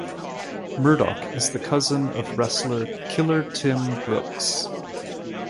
Murdoch is the cousin of wrestler Killer Tim Brooks.